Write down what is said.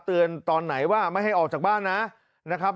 ตอนไหนว่าไม่ให้ออกจากบ้านนะนะครับ